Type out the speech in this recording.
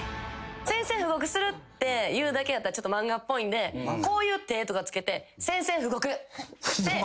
「宣戦布告する」って言うだけやったらちょっと漫画っぽいんでこういう手とかつけて「宣戦布告！」ってやると。